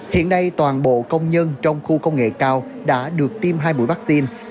hiện nay toàn bộ công nhân trong khu công nghệ cao đã được tiêm hai buổi vaccine